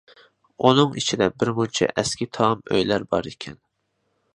ئۇنىڭ ئىچىدە بىر مۇنچە ئەسكى تام، ئۆيلەر بار ئىكەن.